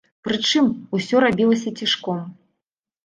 Прычым, усё рабілася цішком.